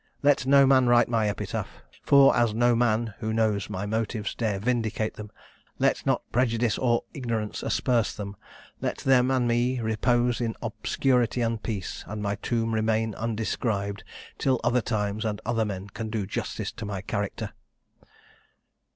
Let no man write my epitaph; for as no man, who knows my motives, dare vindicate them, let not prejudice or ignorance asperse them; let them and me repose in obscurity and peace, and my tomb remain undescribed, till other times and other men can do justice to my character."